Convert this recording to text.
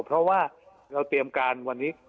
เพราะว่าเราเตรียมการวันนี้